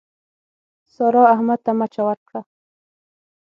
سارا، احمد ته مچه ورکړه.